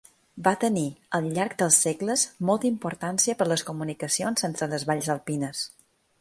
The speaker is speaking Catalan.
Va tenir, al llarg dels segles, molta importància per les comunicacions entre les valls alpines.